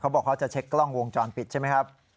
บอกเขาจะเช็คกล้องวงจรปิดใช่ไหมครับ